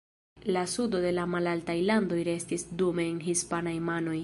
La sudo de la Malaltaj Landoj restis dume en hispanaj manoj.